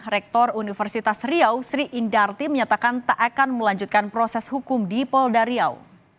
rektor universitas riau sri indarti menyatakan tak akan melanjutkan proses hukum di polda riau